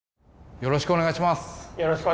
よろしくお願いします。